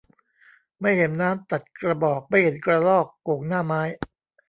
ไม่เห็นน้ำตัดกระบอก ไม่เห็นกระรอกโก่งหน้าไม้